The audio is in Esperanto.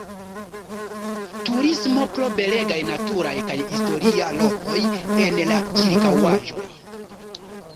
Turismo pro belegaj naturaj kaj historia lokoj en la ĉirkaŭaĵoj.